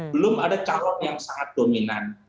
belum ada calon yang sangat dominan